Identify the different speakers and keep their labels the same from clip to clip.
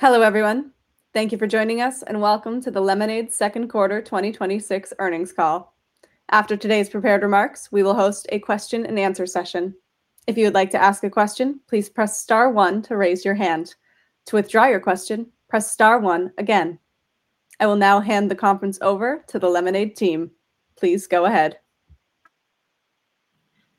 Speaker 1: Hello, everyone. Thank you for joining us, and welcome to the Lemonade Q2 2026 earnings call. After today's prepared remarks, we will host a question-and-answer session. If you would like to ask a question, please press star one to raise your hand. To withdraw your question, press star one again. I will now hand the conference over to the Lemonade team. Please go ahead.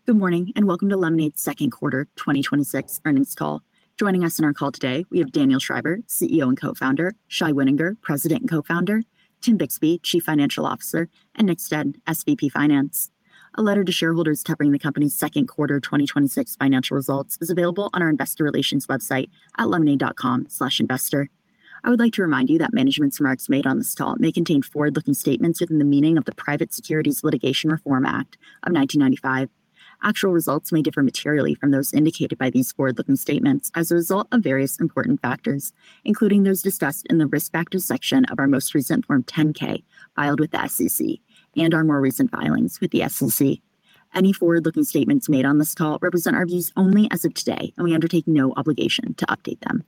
Speaker 2: Good morning, and welcome to Lemonade's Q2 2026 earnings call. Joining us on our call today, we have Daniel Schreiber, CEO and Co-founder, Shai Wininger, President and Co-founder, Tim Bixby, Chief Financial Officer, and Nick Stead, SVP Finance. A letter to shareholders covering the company's Q2 2026 financial results is available on our investor relations website at lemonade.com/investor. I would like to remind you that management's remarks made on this call may contain forward-looking statements within the meaning of the Private Securities Litigation Reform Act of 1995. Actual results may differ materially from those indicated by these forward-looking statements as a result of various important factors, including those discussed in the Risk Factors section of our most recent Form 10-K filed with the SEC, and our more recent filings with the SEC. Any forward-looking statements made on this call represent our views only as of today, and we undertake no obligation to update them.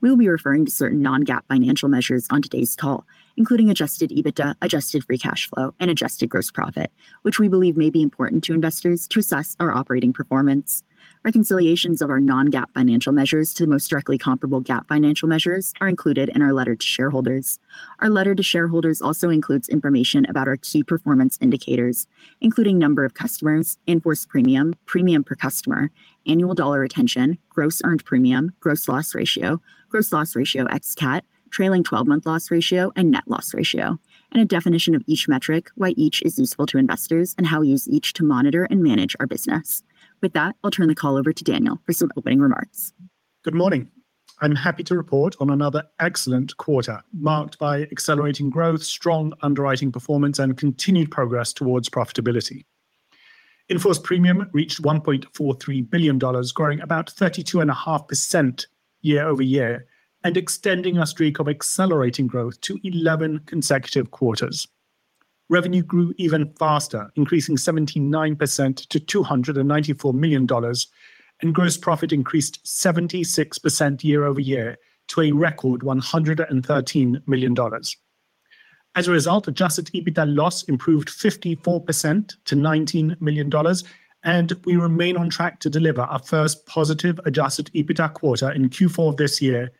Speaker 2: We will be referring to certain non-GAAP financial measures on today's call, including adjusted EBITDA, adjusted free cash flow, and adjusted gross profit, which we believe may be important to investors to assess our operating performance. Reconciliations of our non-GAAP financial measures to the most directly comparable GAAP financial measures are included in our letter to shareholders. Our letter to shareholders also includes information about our key performance indicators, including number of customers, in-force premium per customer, annual dollar retention, gross earned premium, gross loss ratio, gross loss ratio ex-CAT, trailing 12-month loss ratio, and net loss ratio, and a definition of each metric, why each is useful to investors, and how we use each to monitor and manage our business. With that, I'll turn the call over to Daniel for some opening remarks.
Speaker 3: Good morning. I'm happy to report on another excellent quarter, marked by accelerating growth, strong underwriting performance, and continued progress towards profitability. In-force premium reached $1.43 billion, growing about 32.5% year-over-year and extending our streak of accelerating growth to 11 consecutive quarters. Revenue grew even faster, increasing 79% to $294 million, and gross profit increased 76% year-over-year to a record $113 million. As a result, adjusted EBITDA loss improved 54% to $19 million, and we remain on track to deliver our first positive adjusted EBITDA quarter in Q4 of this year,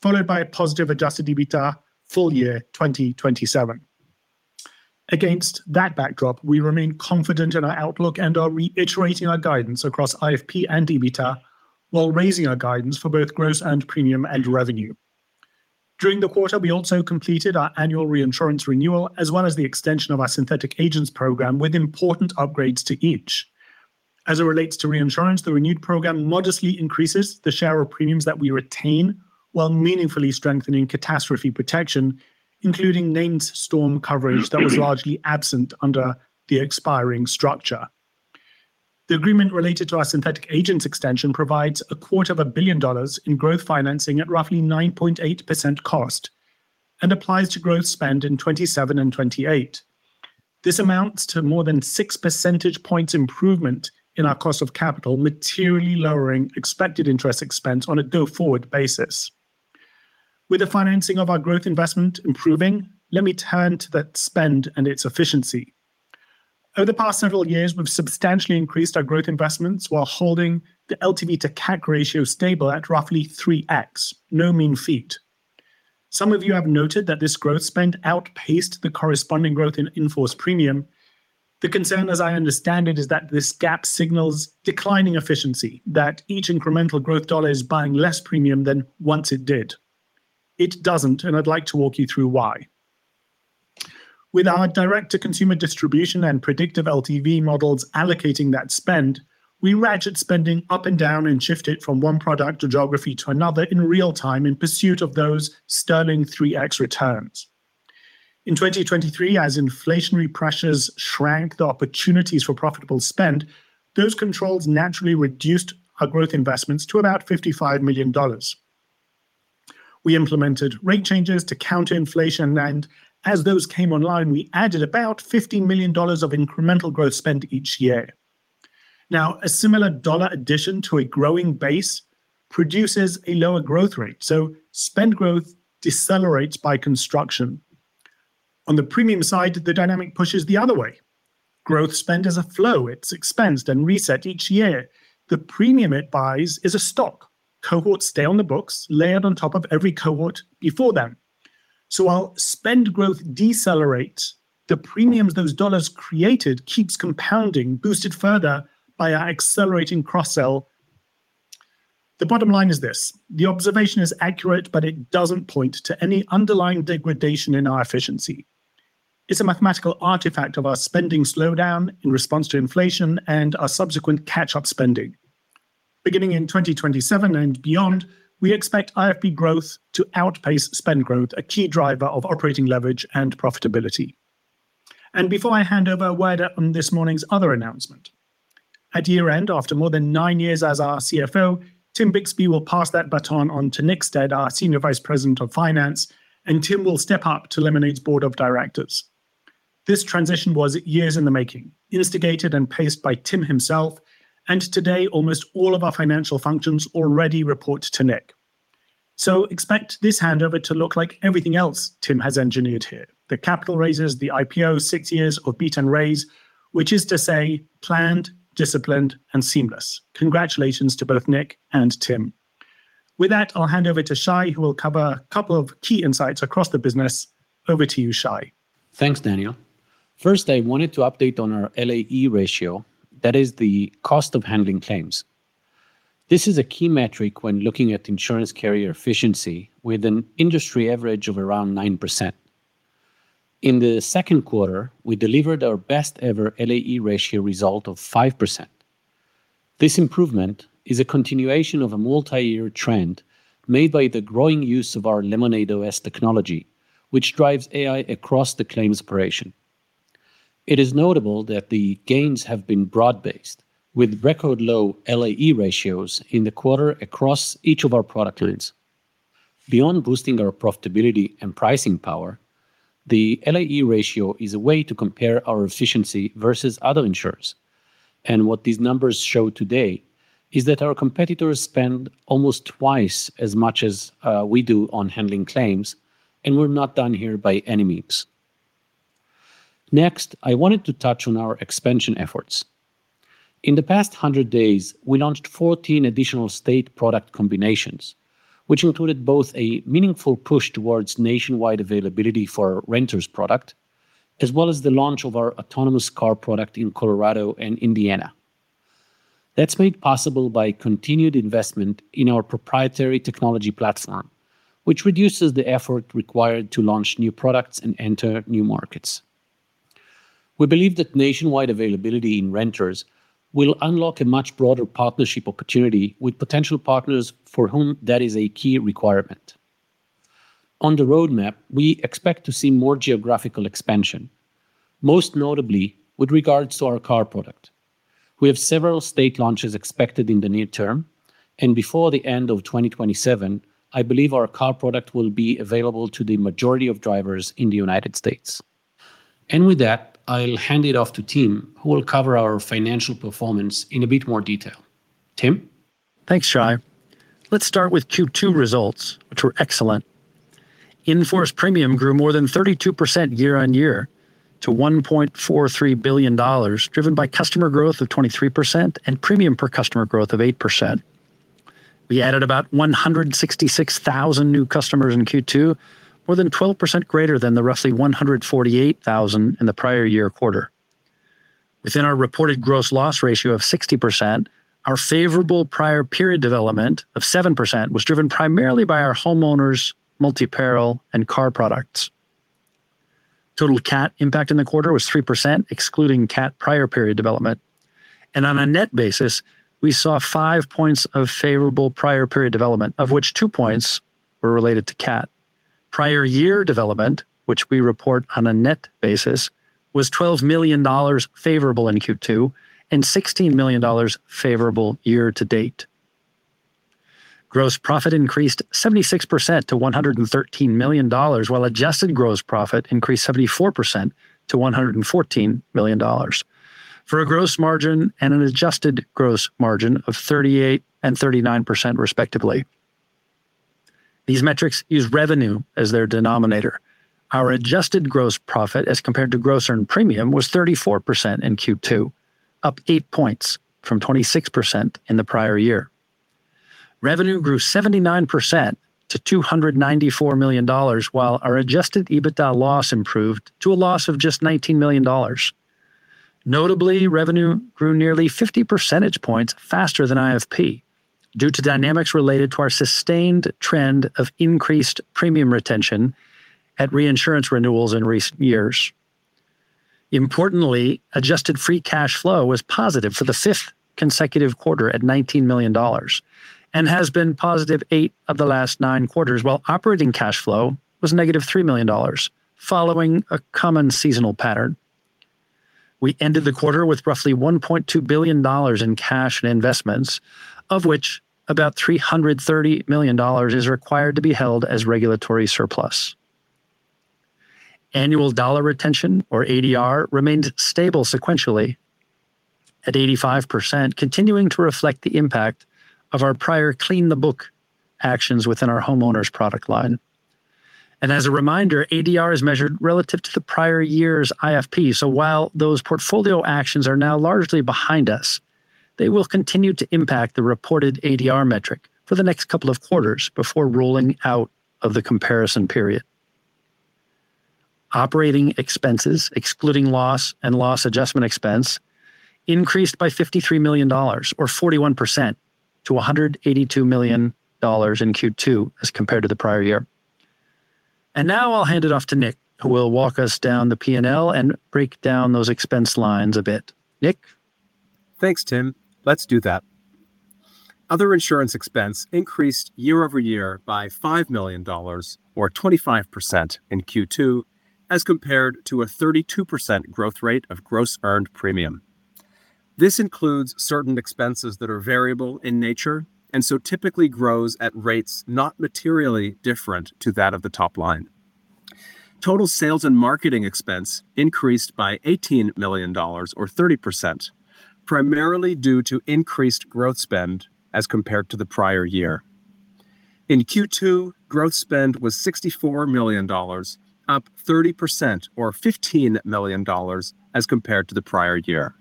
Speaker 3: followed by a positive adjusted EBITDA full-year 2027. Against that backdrop, we remain confident in our outlook and are reiterating our guidance across IFP and EBITDA while raising our guidance for both gross earned premium and revenue. During the quarter, we also completed our annual reinsurance renewal as well as the extension of our synthetic agents program, with important upgrades to each. As it relates to reinsurance, the renewed program modestly increases the share of premiums that we retain while meaningfully strengthening catastrophe protection, including named storm coverage that was largely absent under the expiring structure. The agreement related to our synthetic agents extension provides a quarter of a billion dollars in growth financing at roughly 9.8% cost and applies to growth spend in 2027 and 2028. This amounts to more than six percentage points improvement in our cost of capital, materially lowering expected interest expense on a go-forward basis. With the financing of our growth investment improving, let me turn to that spend and its efficiency. Over the past several years, we've substantially increased our growth investments while holding the LTV to CAC ratio stable at roughly 3x. No mean feat. Some of you have noted that this growth spend outpaced the corresponding growth in in-force premium. The concern, as I understand it, is that this gap signals declining efficiency, that each incremental growth dollar is buying less premium than once it did. It doesn't, and I'd like to walk you through why. With our direct-to-consumer distribution and predictive LTV models allocating that spend, we ratchet spending up and down and shift it from one product or geography to another in real time in pursuit of those sterling 3x returns. In 2023, as inflationary pressures shrank the opportunities for profitable spend, those controls naturally reduced our growth investments to about $55 million. We implemented rate changes to counter inflation, and as those came online, we added about $15 million of incremental growth spend each year. Now, a similar dollar addition to a growing base produces a lower growth rate, so spend growth decelerates by construction. On the premium side, the dynamic pushes the other way. Growth spend is a flow. It's expensed and reset each year. The premium it buys is a stock. Cohorts stay on the books, layered on top of every cohort before them. While spend growth decelerates, the premiums those dollars created keeps compounding, boosted further by our accelerating cross-sell. The bottom line is this: the observation is accurate, but it doesn't point to any underlying degradation in our efficiency. It's a mathematical artifact of our spending slowdown in response to inflation and our subsequent catch-up spending. Beginning in 2027 and beyond, we expect IFP growth to outpace spend growth, a key driver of operating leverage and profitability. Before I hand over, a word on this morning's other announcement. At year-end, after more than nine years as our CFO, Tim Bixby will pass that baton on to Nick Stead, our Senior Vice President Finance, and Tim will step up to Lemonade's Board of Directors. This transition was years in the making, instigated and paced by Tim himself, and today almost all of our financial functions already report to Nick. Expect this handover to look like everything else Tim has engineered here. The capital raises, the IPO, six years of beat and raise, which is to say planned, disciplined and seamless. Congratulations to both Nick and Tim. With that, I'll hand over to Shai, who will cover a couple of key insights across the business. Over to you, Shai.
Speaker 4: Thanks, Daniel. First, I wanted to update on our LAE ratio, that is the cost of handling claims. This is a key metric when looking at insurance carrier efficiency, with an industry average of around 9%. In the Q2, we delivered our best ever LAE ratio result of 5%. This improvement is a continuation of a multi-year trend made by the growing use of our Lemonade OS technology, which drives AI across the claims operation. It is notable that the gains have been broad based, with record low LAE ratios in the quarter across each of our product lines. Beyond boosting our profitability and pricing power, the LAE ratio is a way to compare our efficiency versus other insurers. What these numbers show today is that our competitors spend almost twice as much as we do on handling claims, and we're not done here by any means. Next, I wanted to touch on our expansion efforts. In the past 100 days, we launched 14 additional state product combinations, which included both a meaningful push towards nationwide availability for our renters product, as well as the launch of our autonomous car product in Colorado and Indiana. That's made possible by continued investment in our proprietary technology platform, which reduces the effort required to launch new products and enter new markets. We believe that nationwide availability in renters will unlock a much broader partnership opportunity with potential partners for whom that is a key requirement. On the roadmap, we expect to see more geographical expansion, most notably with regards to our car product. We have several state launches expected in the near term, and before the end of 2027, I believe our car product will be available to the majority of drivers in the United States. With that, I'll hand it off to Tim, who will cover our financial performance in a bit more detail. Tim?
Speaker 5: Thanks, Shai. Let's start with Q2 results, which were excellent. In-force premium grew more than 32% year-on-year to $1.43 billion, driven by customer growth of 23% and premium per customer growth of 8%. We added about 166,000 new customers in Q2, more than 12% greater than the roughly 148,000 in the prior year quarter. Within our reported gross loss ratio of 60%, our favorable prior period development of 7% was driven primarily by our homeowners multi-peril and car products. Total catastrophe impact in the quarter was 3%, excluding catastrophe prior period development. On a net basis, we saw five points of favorable prior period development, of which two points were related to catastrophe. Prior year development, which we report on a net basis, was $12 million favorable in Q2 and $16 million favorable year-to-date. Gross profit increased 76% to $113 million, while adjusted gross profit increased 74% to $114 million, for a gross margin and an adjusted gross margin of 38% and 39%, respectively. These metrics use revenue as their denominator. Our adjusted gross profit as compared to gross earned premium was 34% in Q2, up eight points from 26% in the prior year. Revenue grew 79% to $294 million, while our adjusted EBITDA loss improved to a loss of just $19 million. Notably, revenue grew nearly 50 percentage points faster than IFP due to dynamics related to our sustained trend of increased premium retention at reinsurance renewals in recent years. Importantly, adjusted free cash flow was positive for the fifth consecutive quarter at $19 million and has been positive eight of the last nine quarters, while operating cash flow was $-3 million, following a common seasonal pattern. We ended the quarter with roughly $1.2 billion in cash and investments, of which about $330 million is required to be held as regulatory surplus. Annual dollar retention, or ADR, remained stable sequentially at 85%, continuing to reflect the impact of our prior clean the book actions within our homeowners product line. As a reminder, ADR is measured relative to the prior year's IFP, so while those portfolio actions are now largely behind us, they will continue to impact the reported ADR metric for the next couple of quarters before rolling out of the comparison period. Operating expenses, excluding loss and loss adjustment expense, increased by $53 million, or 41%, to $182 million in Q2 as compared to the prior year. Now I'll hand it off to Nick, who will walk us down the P&L and break down those expense lines a bit. Nick?
Speaker 6: Thanks, Tim. Let's do that. Other insurance expense increased year-over-year by $5 million, or 25%, in Q2 as compared to a 32% growth rate of gross earned premium. This includes certain expenses that are variable in nature and typically grows at rates not materially different to that of the top line. Total sales and marketing expense increased by $18 million, or 30%, primarily due to increased growth spend as compared to the prior year. In Q2, growth spend was $64 million, up 30% or $15 million as compared to the prior year.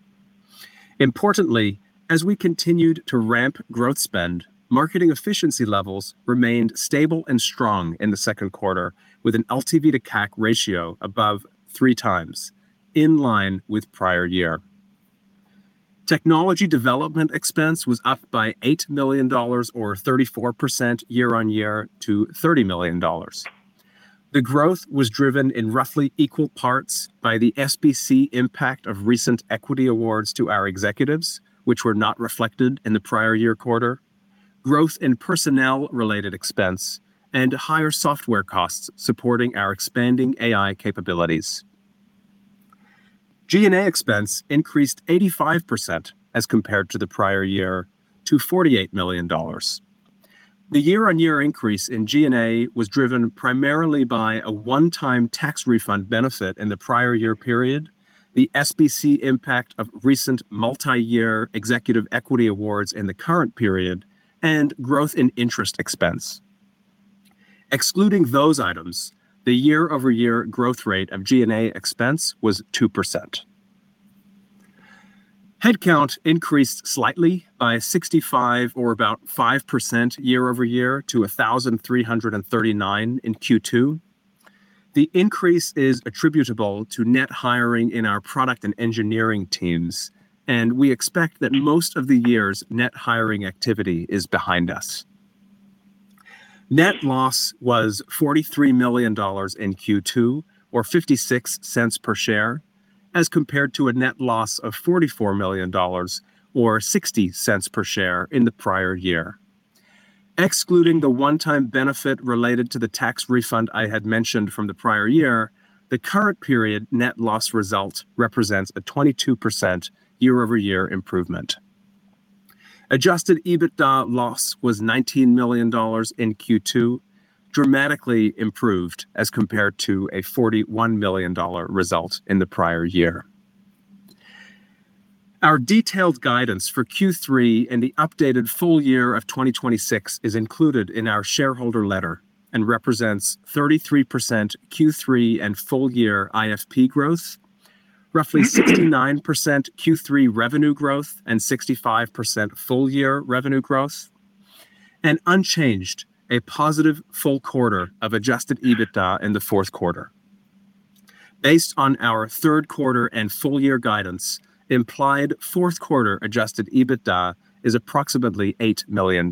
Speaker 6: Importantly, as we continued to ramp growth spend, marketing efficiency levels remained stable and strong in the Q2, with an LTV to CAC ratio above 3x, in line with prior year. Technology development expense was up by $8 million or 34% year-on-year to $30 million. The growth was driven in roughly equal parts by the SBC impact of recent equity awards to our executives, which were not reflected in the prior year quarter, growth in personnel-related expense, and higher software costs supporting our expanding AI capabilities. G&A expense increased 85% as compared to the prior year to $48 million. The year-on-year increase in G&A was driven primarily by a one-time tax refund benefit in the prior year period, the SBC impact of recent multi-year executive equity awards in the current period, and growth in interest expense. Excluding those items, the year-over-year growth rate of G&A expense was 2%. Headcount increased slightly by 65 or about 5% year-over-year to 1,339 in Q2. The increase is attributable to net hiring in our product and engineering teams, and we expect that most of the year's net hiring activity is behind us. Net loss was $43 million in Q2 or $0.56 per share, as compared to a net loss of $44 million or $0.60 per share in the prior year. Excluding the one-time benefit related to the tax refund I had mentioned from the prior year, the current period net loss result represents a 22% year-over-year improvement. Adjusted EBITDA loss was $19 million in Q2, dramatically improved as compared to a $41 million result in the prior year. Our detailed guidance for Q3 and the updated full-year of 2026 is included in our shareholder letter and represents 33% Q3 and full-year IFP growth, roughly 69% Q3 revenue growth and 65% full-year revenue growth, and unchanged a positive full quarter of adjusted EBITDA in the Q4. Based on our Q3 and full-year guidance, implied Q4 adjusted EBITDA is approximately $8 million.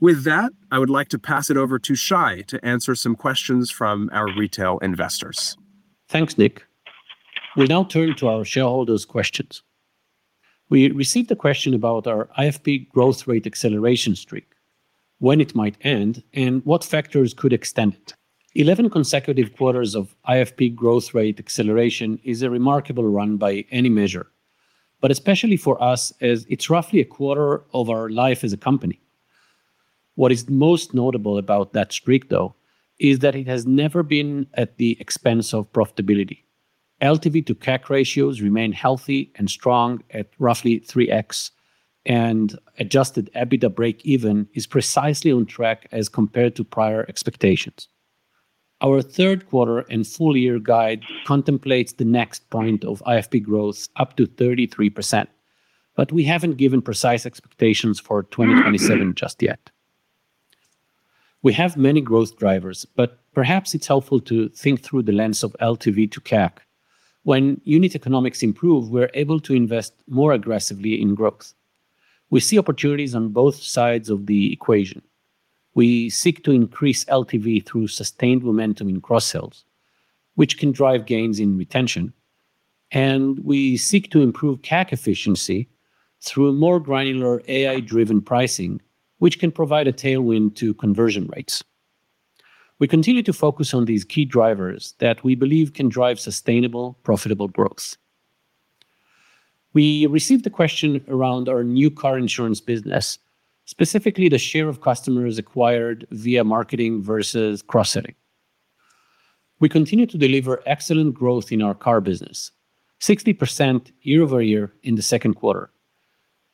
Speaker 6: With that, I would like to pass it over to Shai to answer some questions from our retail investors.
Speaker 4: Thanks, Nick. We now turn to our shareholders' questions. We received a question about our IFP growth rate acceleration streak, when it might end, and what factors could extend it. 11 consecutive quarters of IFP growth rate acceleration is a remarkable run by any measure. Especially for us, as it's roughly a quarter of our life as a company. What is most notable about that streak, though, is that it has never been at the expense of profitability. LTV to CAC ratios remain healthy and strong at roughly 3x, and adjusted EBITDA breakeven is precisely on track as compared to prior expectations. Our Q3 and full-year guide contemplates the next point of IFP growth up to 33%, but we haven't given precise expectations for 2027 just yet. We have many growth drivers, but perhaps it's helpful to think through the lens of LTV to CAC. When unit economics improve, we're able to invest more aggressively in growth. We see opportunities on both sides of the equation. We seek to increase LTV through sustained momentum in cross-sells, which can drive gains in retention, and we seek to improve CAC efficiency through more granular AI-driven pricing, which can provide a tailwind to conversion rates. We continue to focus on these key drivers that we believe can drive sustainable, profitable growth. We received a question around our new car insurance business, specifically the share of customers acquired via marketing versus cross-selling. We continue to deliver excellent growth in our car business, 60% year-over-year in the Q2.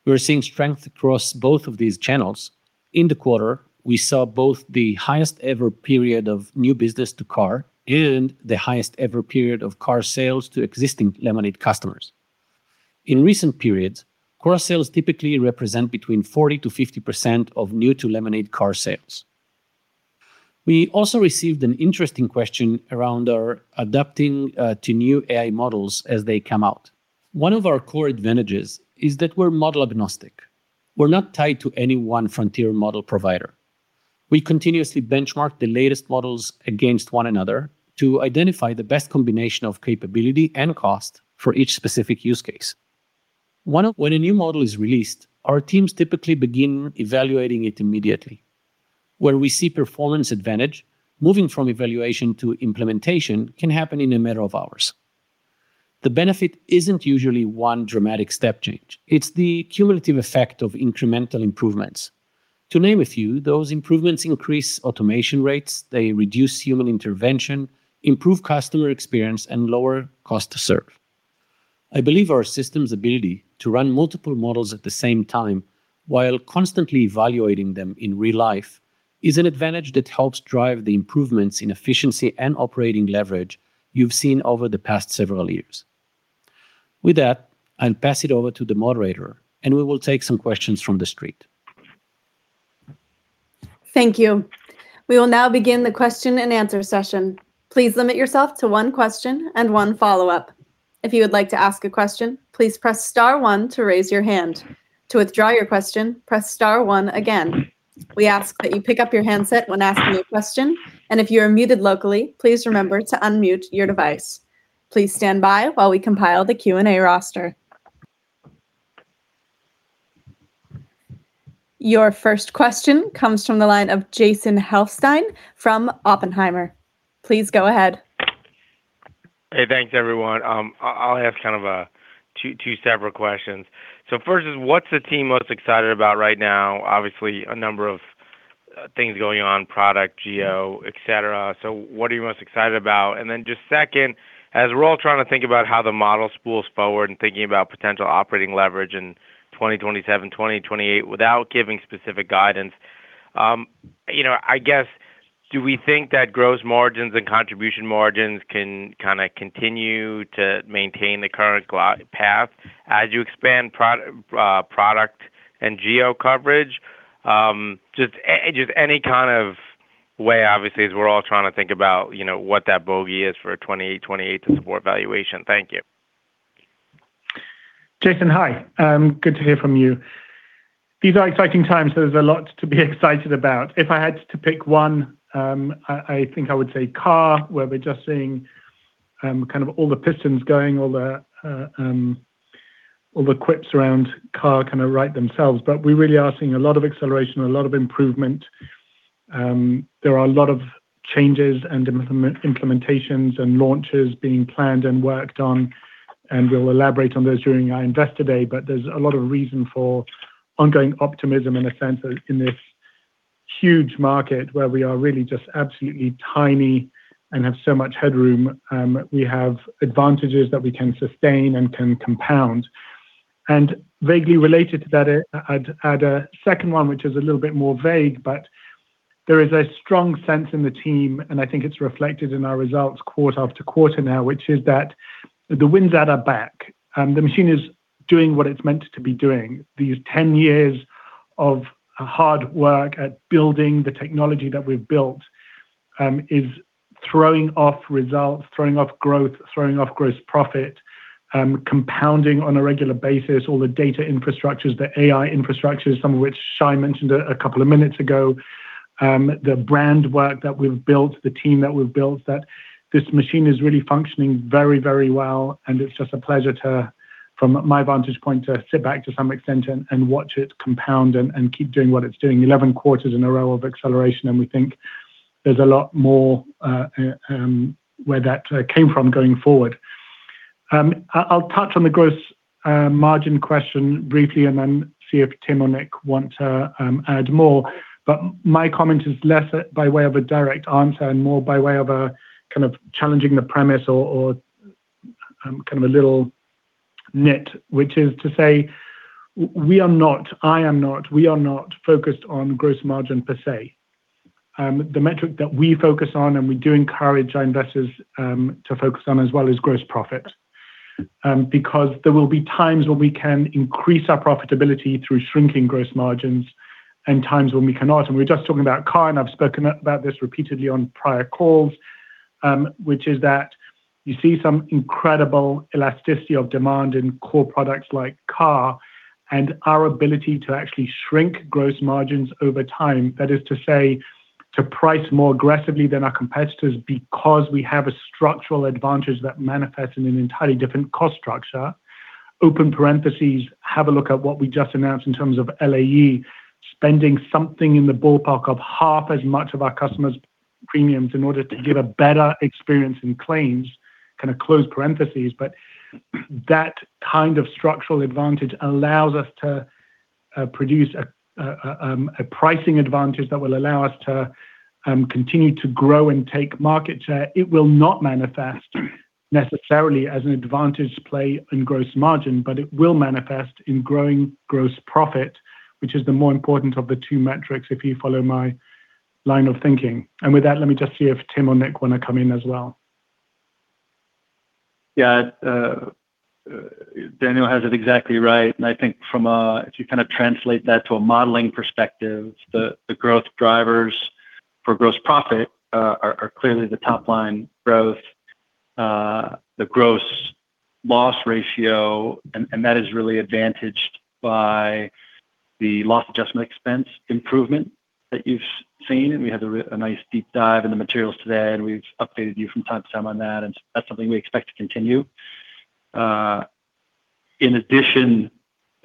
Speaker 4: We are seeing strength across both of these channels. In the quarter, we saw both the highest ever period of new business to car and the highest ever period of car sales to existing Lemonade customers. In recent periods, cross-sales typically represent between 40%-50% of new to Lemonade car sales. We also received an interesting question around our adapting to new AI models as they come out. One of our core advantages is that we're model agnostic. We're not tied to any one frontier model provider. We continuously benchmark the latest models against one another to identify the best combination of capability and cost for each specific use case. When a new model is released, our teams typically begin evaluating it immediately. Where we see performance advantage, moving from evaluation to implementation can happen in a matter of hours. The benefit isn't usually one dramatic step change. It's the cumulative effect of incremental improvements. To name a few, those improvements increase automation rates, they reduce human intervention, improve customer experience, and lower cost to serve. I believe our system's ability to run multiple models at the same time while constantly evaluating them in real life is an advantage that helps drive the improvements in efficiency and operating leverage you've seen over the past several years. With that, I'll pass it over to the moderator, We will take some questions from the street.
Speaker 1: Thank you. We will now begin the question-and-answer session. Please limit yourself to one question and one follow-up. If you would like to ask a question, please press star one to raise your hand. To withdraw your question, press star one again. We ask that you pick up your handset when asking a question, and if you are muted locally, please remember to unmute your device. Please stand by while we compile the Q&A roster. Your first question comes from the line of Jason Helfstein from Oppenheimer. Please go ahead.
Speaker 7: Hey, thanks everyone. I'll ask two separate questions. First is, what's the team most excited about right now? Obviously, a number of things going on, product, geo, et cetera. What are you most excited about? Just second, as we're all trying to think about how the model spools forward and thinking about potential operating leverage in 2027, 2028, without giving specific guidance, I guess, do we think that gross margins and contribution margins can kind of continue to maintain the current path as you expand product and geo coverage? Just any kind of way, obviously, as we're all trying to think about what that bogey is for 2028 to support valuation. Thank you.
Speaker 3: Jason, hi. Good to hear from you. These are exciting times. There's a lot to be excited about. If I had to pick one, I think I would say car, where we're just seeing all the pistons going, all the quips around car kind of right themselves. We really are seeing a lot of acceleration, a lot of improvement. There are a lot of changes and implementations and launches being planned and worked on, and we'll elaborate on those during our Investor Day. There's a lot of reason for ongoing optimism in the sense that in this huge market where we are really just absolutely tiny and have so much headroom, we have advantages that we can sustain and can compound. Vaguely related to that, I'd add a second one, which is a little bit more vague, but there is a strong sense in the team, and I think it's reflected in our results quarter-after-quarter now, which is that the wind's at our back. The machine is doing what it's meant to be doing. These 10 years of hard work at building the technology that we've built is throwing off results, throwing off growth, throwing off gross profit, compounding on a regular basis all the data infrastructures, the AI infrastructures, some of which Shai mentioned a couple of minutes ago. The brand work that we've built, the team that we've built, that this machine is really functioning very well and it's just a pleasure from my vantage point to sit back to some extent and watch it compound and keep doing what it's doing. 11 quarters in a row of acceleration. We think there's a lot more where that came from going forward. I'll touch on the gross margin question briefly and then see if Tim or Nick want to add more. My comment is less by way of a direct answer and more by way of challenging the premise or kind of a little nit, which is to say we are not, I am not, we are not focused on gross margin per se. The metric that we focus on, and we do encourage our investors to focus on as well, is gross profit. There will be times when we can increase our profitability through shrinking gross margins and times when we cannot. We were just talking about car, and I've spoken about this repeatedly on prior calls, which is that you see some incredible elasticity of demand in core products like car and our ability to actually shrink gross margins over time. That is to say, to price more aggressively than our competitors because we have a structural advantage that manifests in an entirely different cost structure. Open parentheses, have a look at what we just announced in terms of LAE spending something in the ballpark of half as much of our customers' premiums in order to give a better experience in claims, close parentheses. That kind of structural advantage allows us to produce a pricing advantage that will allow us to continue to grow and take market share. It will not manifest necessarily as an advantage play in gross margin, but it will manifest in growing gross profit, which is the more important of the two metrics if you follow my line of thinking. With that, let me just see if Tim or Nick want to come in as well.
Speaker 6: Yeah. Daniel has it exactly right. I think if you kind of translate that to a modeling perspective, the growth drivers for gross profit are clearly the top-line growth, the gross loss ratio, and that is really advantaged by the loss adjustment expense improvement that you've seen. We had a nice deep dive in the materials today, and we've updated you from time to time on that, and that's something we expect to continue. In addition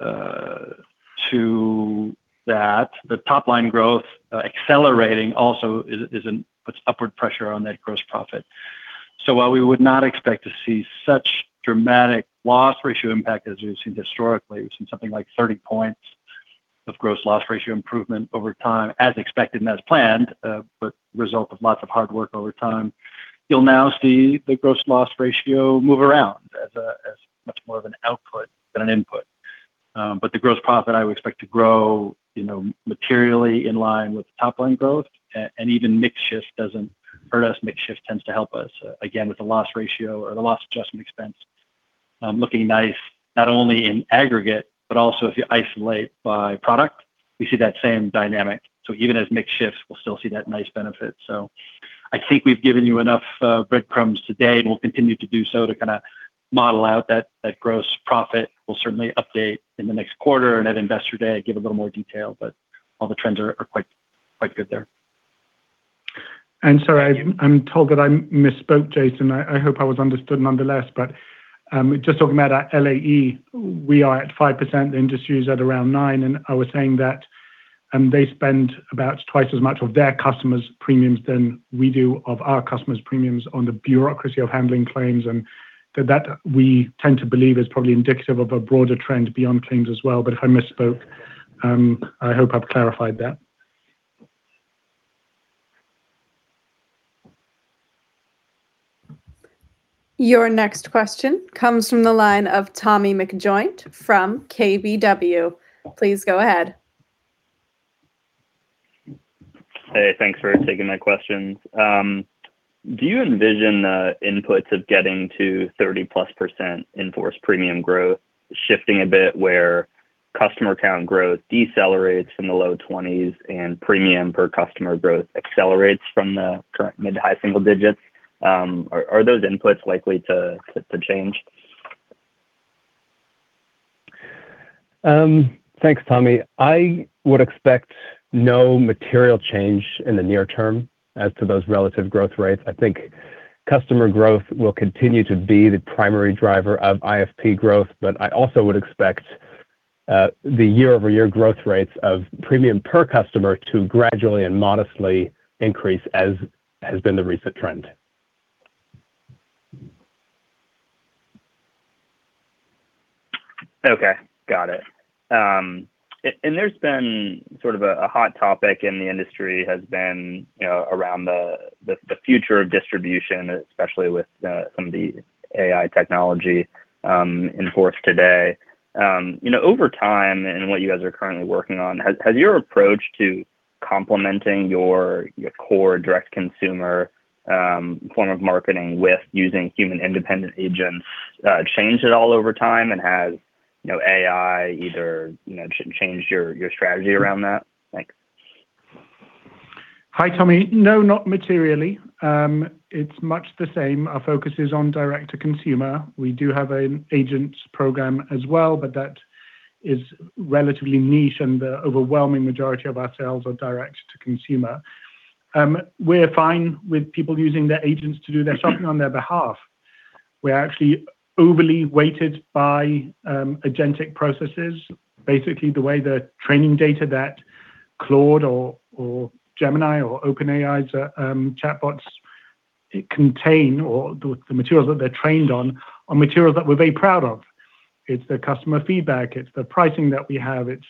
Speaker 6: to that, the top-line growth accelerating also puts upward pressure on that gross profit. While we would not expect to see such dramatic loss ratio impact as we've seen historically, we've seen something like 30 points of gross loss ratio improvement over time, as expected and as planned, but result of lots of hard work over time. You'll now see the gross loss ratio move around as much more of an output than an input. The gross profit, I would expect to grow materially in line with the top-line growth. Even mix shift doesn't hurt us. Mix shift tends to help us. Again, with the loss ratio or the loss adjustment expense looking nice, not only in aggregate but also if you isolate by product, we see that same dynamic. Even as mix shifts, we'll still see that nice benefit. I think we've given you enough breadcrumbs today, and we'll continue to do so to kind of model out that gross profit. We'll certainly update in the next quarter and at Investor Day, give a little more detail, but all the trends are quite good there.
Speaker 3: Sorry, I'm told that I misspoke, Jason. I hope I was understood nonetheless, but just talking about our LAE, we are at 5%, the industry is at around nine, and I was saying that they spend about twice as much of their customers' premiums than we do of our customers' premiums on the bureaucracy of handling claims, and that we tend to believe is probably indicative of a broader trend beyond claims as well. If I misspoke, I hope I've clarified that.
Speaker 1: Your next question comes from the line of Tommy McJoynt from KBW. Please go ahead.
Speaker 8: Hey, thanks for taking my questions. Do you envision the inputs of getting to 30+% in-force premium growth shifting a bit, where customer count growth decelerates from the low 20s and premium per customer growth accelerates from the current mid to high single digits? Are those inputs likely to change?
Speaker 5: Thanks, Tommy. I would expect no material change in the near term as to those relative growth rates. I think customer growth will continue to be the primary driver of IFP growth. I also would expect the year-over-year growth rates of premium per customer to gradually and modestly increase, as has been the recent trend.
Speaker 8: Okay. Got it. There's been sort of a hot topic in the industry, has been around the future of distribution, especially with some of the AI technology in force today. Over time, and what you guys are currently working on, has your approach to complementing your core direct consumer form of marketing with using human independent agents changed at all over time? Has AI either changed your strategy around that? Thanks.
Speaker 3: Hi, Tommy. No, not materially. It's much the same. Our focus is on direct to consumer. We do have an agents program as well, but that is relatively niche, and the overwhelming majority of our sales are direct to consumer. We're fine with people using their agents to do their shopping on their behalf. We're actually overly weighted by agentic processes. Basically, the way the training data that Claude or Gemini or OpenAI's chatbots contain, or the materials that they're trained on, are materials that we're very proud of. It's the customer feedback. It's the pricing that we have. It's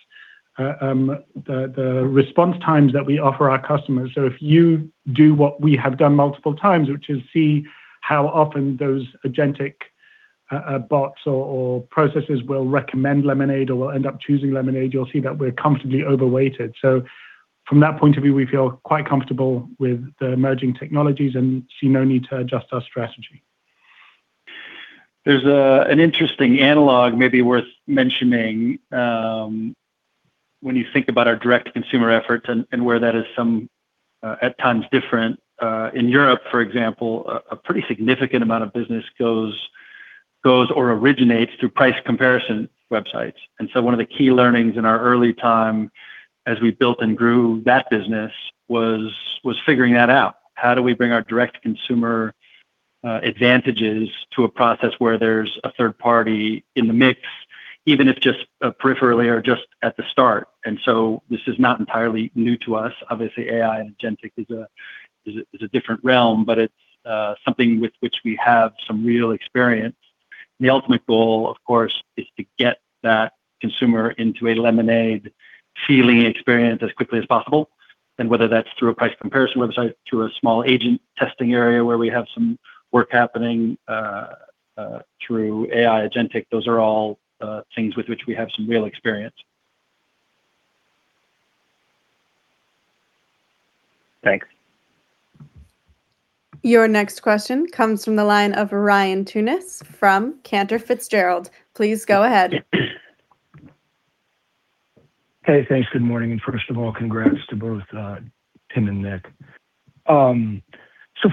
Speaker 3: the response times that we offer our customers. If you do what we have done multiple times, which is see how often those agentic bots or processes will recommend Lemonade or will end up choosing Lemonade, you'll see that we're comfortably over-weighted. From that point of view, we feel quite comfortable with the emerging technologies and see no need to adjust our strategy.
Speaker 5: There's an interesting analog maybe worth mentioning when you think about our direct consumer efforts and where that is at times different. In Europe, for example, a pretty significant amount of business goes or originates through price comparison websites. One of the key learnings in our early time as we built and grew that business was figuring that out. How do we bring our direct consumer advantages to a process where there's a third party in the mix, even if just peripherally or just at the start? This is not entirely new to us. Obviously, AI and agentic is a different realm, but it's something with which we have some real experience. The ultimate goal, of course, is to get that consumer into a Lemonade feeling and experience as quickly as possible. Whether that's through a price comparison website to a small agent testing area where we have some work happening through AI agentic, those are all things with which we have some real experience.
Speaker 8: Thanks.
Speaker 1: Your next question comes from the line of Ryan Tunis from Cantor Fitzgerald. Please go ahead.
Speaker 9: Hey, thanks. Good morning. First of all, congrats to both Tim and Dan.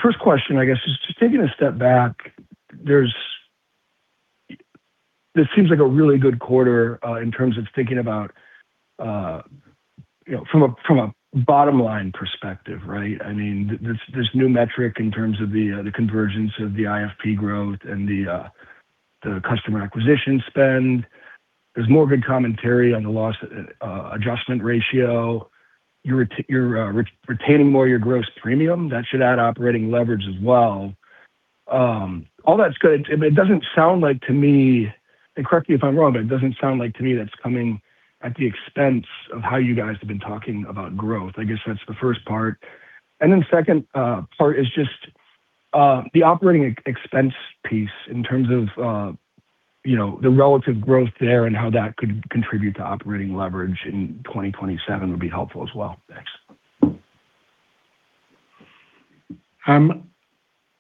Speaker 9: First question, I guess, is just taking a step back. This seems like a really good quarter in terms of thinking about from a bottom-line perspective, right? There's new metric in terms of the convergence of the IFP growth and the customer acquisition spend. There's more good commentary on the loss adjustment ratio. You're retaining more of your gross premium. That should add operating leverage as well. All that's good. Correct me if I'm wrong, but it doesn't sound like to me that's coming at the expense of how you guys have been talking about growth. I guess that's the first part. Second part is just the operating expense piece in terms of the relative growth there and how that could contribute to operating leverage in 2027 would be helpful as well. Thanks.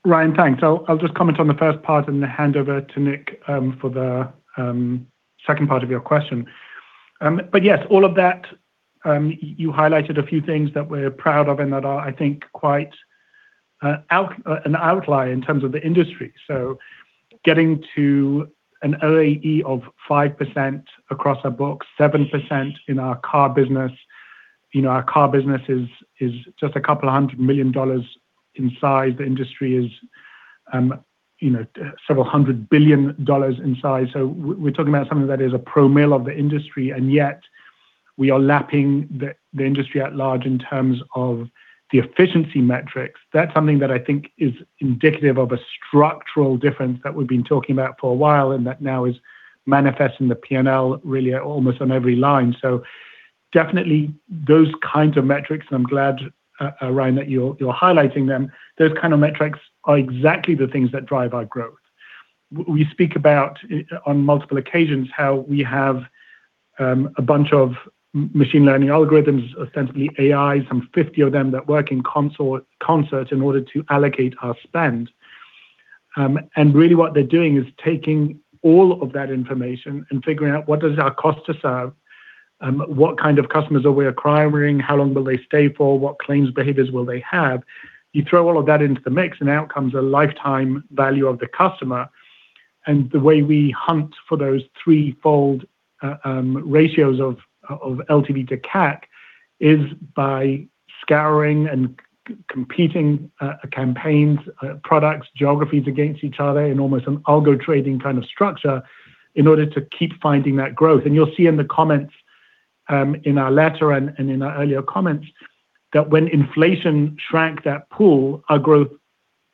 Speaker 3: Ryan, thanks. I'll just comment on the first part and then hand over to Nick for the second part of your question. Yes, all of that, you highlighted a few things that we're proud of and that are, I think, quite an outlier in terms of the industry. Getting to an LAE of 5% across our book, 7% in our car business. Our car business is just a couple of hundred million dollars in size. The industry is several hundred billion dollars in size. We're talking about something that is a promill of the industry, and yet we are lapping the industry at large in terms of the efficiency metrics. That's something that I think is indicative of a structural difference that we've been talking about for a while, and that now is manifest in the P&L really almost on every line. Definitely those kinds of metrics, and I'm glad, Ryan, that you're highlighting them. Those kind of metrics are exactly the things that drive our growth. We speak about, on multiple occasions, how we have a bunch of machine learning algorithms, ostensibly AI, some 50 of them, that work in concert in order to allocate our spend. Really what they're doing is taking all of that information and figuring out what does it cost to serve, what kind of customers are we acquiring, how long will they stay for, what claims behaviors will they have. You throw all of that into the mix, and out comes a lifetime value of the customer. The way we hunt for those threefold ratios of LTV to CAC is by scouring and competing campaigns, products, geographies against each other in almost an algo-trading kind of structure in order to keep finding that growth. You'll see in the comments in our letter and in our earlier comments that when inflation shrank that pool, our growth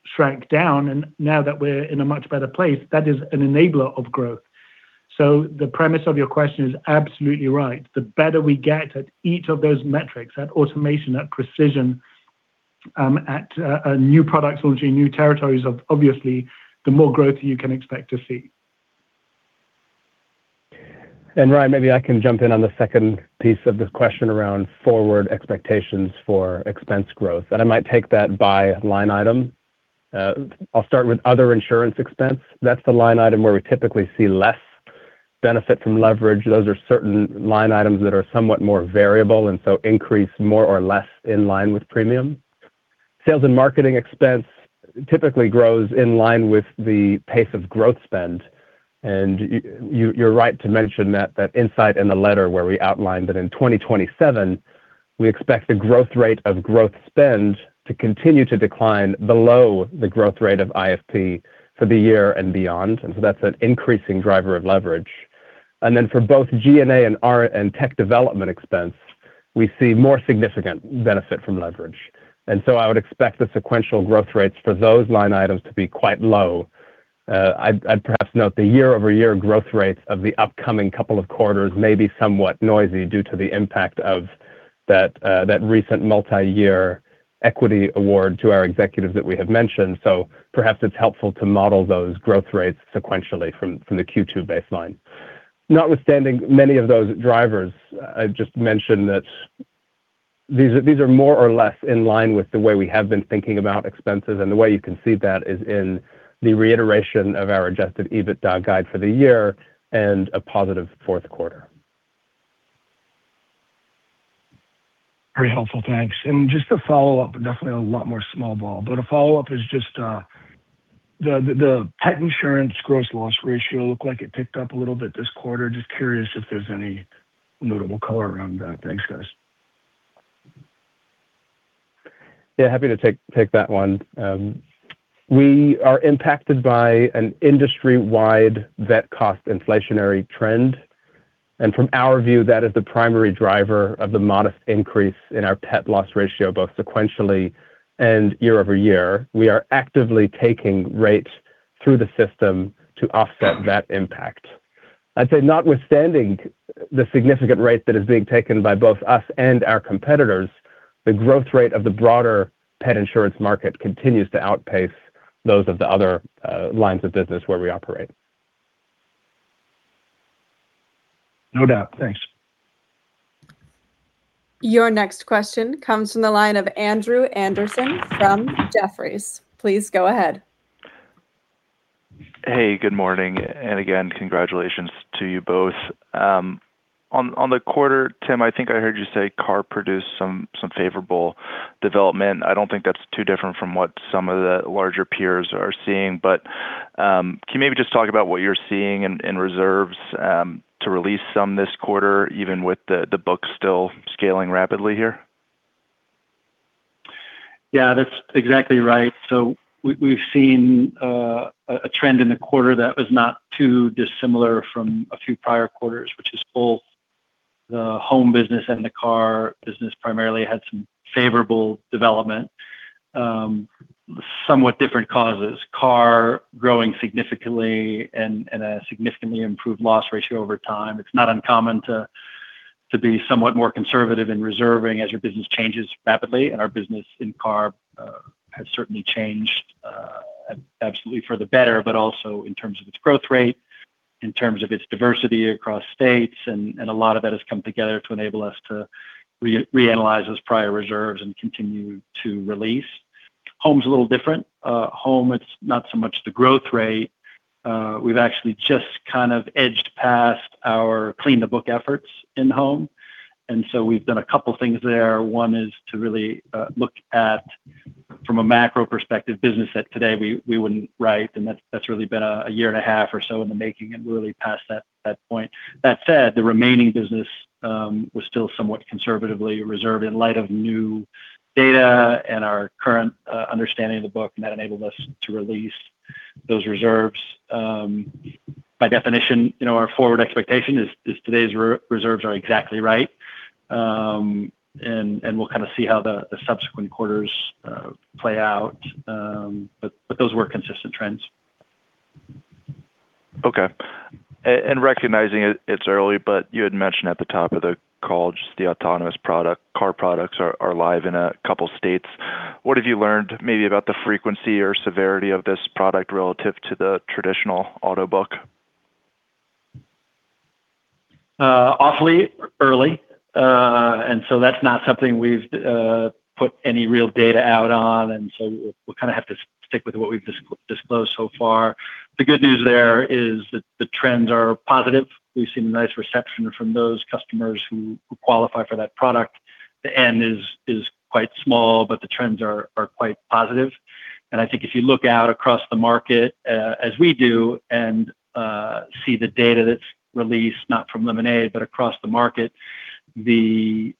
Speaker 3: shrank down, and now that we're in a much better place, that is an enabler of growth. The premise of your question is absolutely right. The better we get at each of those metrics, that automation, that precision, at new productology, new territories, obviously, the more growth you can expect to see.
Speaker 6: Ryan, maybe I can jump in on the second piece of this question around forward expectations for expense growth. I might take that by line item. I'll start with other insurance expense. That's the line item where we typically see less benefit from leverage. Those are certain line items that are somewhat more variable and so increase more or less in line with premium. Sales and marketing expense typically grows in line with the pace of growth spend. You're right to mention that insight in the letter where we outlined that in 2027, we expect the growth rate of growth spend to continue to decline below the growth rate of IFP for the year and beyond. That's an increasing driver of leverage. For both G&A and tech development expense, we see more significant benefit from leverage. I would expect the sequential growth rates for those line items to be quite low. I'd perhaps note the year-over-year growth rates of the upcoming couple of quarters may be somewhat noisy due to the impact of that recent multi-year equity award to our executives that we have mentioned. Perhaps it's helpful to model those growth rates sequentially from the Q2 baseline. Notwithstanding many of those drivers, I've just mentioned that these are more or less in line with the way we have been thinking about expenses. The way you can see that is in the reiteration of our adjusted EBITDA guide for the year and a positive Q4.
Speaker 9: Very helpful. Thanks. Just a follow-up, definitely a lot more small ball, but a follow-up is just the pet insurance gross loss ratio looked like it ticked up a little bit this quarter. Just curious if there's any notable color around that. Thanks, guys.
Speaker 6: Yeah, happy to take that one. We are impacted by an industry-wide vet cost inflationary trend. From our view, that is the primary driver of the modest increase in our pet loss ratio, both sequentially and year-over-year. We are actively taking rates through the system to offset that impact. I'd say notwithstanding the significant rate that is being taken by both us and our competitors, the growth rate of the broader pet insurance market continues to outpace those of the other lines of business where we operate.
Speaker 9: No doubt. Thanks.
Speaker 1: Your next question comes from the line of Andrew Andersen from Jefferies. Please go ahead.
Speaker 10: Hey, good morning, and again, congratulations to you both. On the quarter, Tim, I think I heard you say car produced some favorable development. I don't think that's too different from what some of the larger peers are seeing. Can you maybe just talk about what you're seeing in reserves to release some this quarter, even with the book still scaling rapidly here?
Speaker 5: Yeah, that's exactly right. We've seen a trend in the quarter that was not too dissimilar from a few prior quarters, which is both the home business and the car business primarily had some favorable development. Somewhat different causes. Car growing significantly and a significantly improved loss ratio over time. It's not uncommon to be somewhat more conservative in reserving as your business changes rapidly, and our business in car has certainly changed, absolutely for the better, but also in terms of its growth rate, in terms of its diversity across states, and a lot of that has come together to enable us to reanalyze those prior reserves and continue to release. Home's a little different. Home, it's not so much the growth rate. We've actually just kind of edged past our clean the book efforts in home, and so we've done a couple things there. One is to really look at, from a macro perspective, business that today we wouldn't write, and that's really been a year and a half or so in the making and really past that point. That said, the remaining business was still somewhat conservatively reserved in light of new data and our current understanding of the book, and that enabled us to release those reserves. By definition, our forward expectation is today's reserves are exactly right. We'll kind of see how the subsequent quarters play out. Those were consistent trends.
Speaker 10: Okay. Recognizing it's early, you had mentioned at the top of the call just the autonomous product, car products are live in a couple states. What have you learned maybe about the frequency or severity of this product relative to the traditional auto book?
Speaker 5: Awfully early, that's not something we've put any real data out on, we'll kind of have to stick with what we've disclosed so far. The good news there is that the trends are positive. We've seen a nice reception from those customers who qualify for that product. The N is quite small, but the trends are quite positive. I think if you look out across the market, as we do, and see the data that's released, not from Lemonade, but across the market, the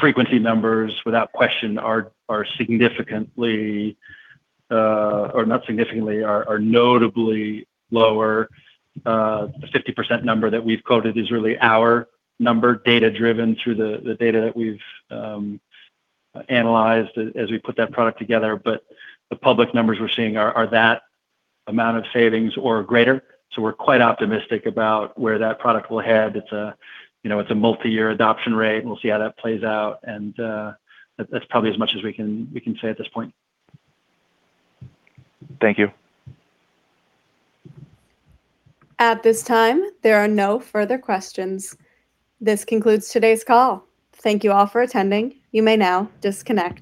Speaker 5: frequency numbers, without question, are significantly, or not significantly, are notably lower. 50% number that we've quoted is really our number, data-driven through the data that we've analyzed as we put that product together. The public numbers we're seeing are that amount of savings or greater. We're quite optimistic about where that product will head. It's a multi-year adoption rate, and we'll see how that plays out. That's probably as much as we can say at this point.
Speaker 10: Thank you.
Speaker 1: At this time, there are no further questions. This concludes today's call. Thank you all for attending. You may now disconnect.